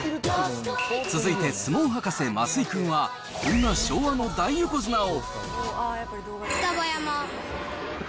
続いて、相撲博士、増井君は、こんな昭和の大横綱を。